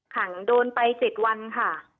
ขังโดนไป๗วันค่ะ